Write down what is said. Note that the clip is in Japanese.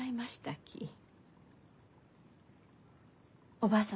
おばあ様